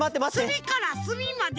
すみからすみまで。